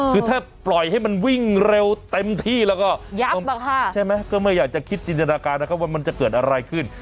คือถ้าปล่อยให้มันวิ่งเร็วเต็มที่แล้วก็ยับใช่ไหมก็ไม่อยากจะคิดจินตนาการนะครับว่ามันจะเกิดอะไรขึ้น